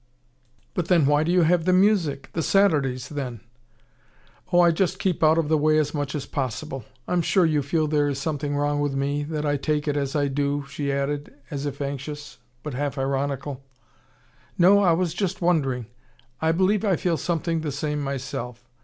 "But then why do you have the music the Saturdays then?" "Oh, I just keep out of the way as much as possible. I'm sure you feel there is something wrong with me, that I take it as I do," she added, as if anxious: but half ironical. "No I was just wondering I believe I feel something the same myself.